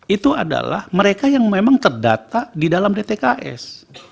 itu adalah mereka yang memang terdata di dalam dtks